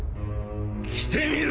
来てみろ！